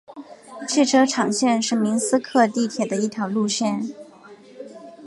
汽车厂线是明斯克地铁的一条路线。